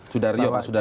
sudaryo pak sudaryo